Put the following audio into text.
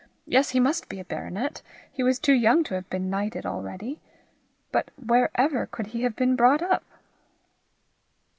Yes, he must be a baronet; he was too young to have been knighted already. But where ever could he have been brought up?